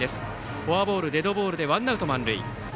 フォアボール、デッドボールでワンアウト満塁。